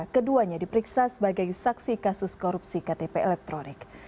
keduanya diperiksa sebagai saksi kasus korupsi ktp elektronik